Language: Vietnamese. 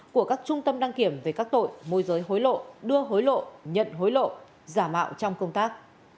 của các trung tâm đăng kiểm về các tội môi giới hối lộ đưa hối lộ nhận hối lộ giả mạo trong công tác